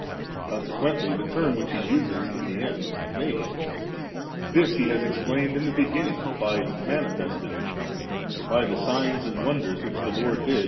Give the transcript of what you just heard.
Consequently the term which he uses in the end, 'made^' this He has explained in the beginning by 'manifested,' for by the signs and wonders which the Ix)rd did.